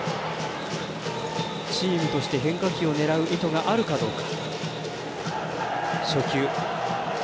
チームとして変化球を狙う意図があるかどうか。